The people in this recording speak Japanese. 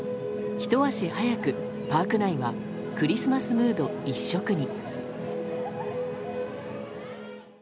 ひと足早くパーク内はクリスマスムード一色に。